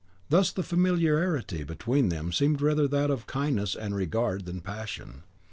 Thus the familiarity between them seemed rather that of kindness and regard than passion.